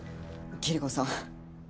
キリコさん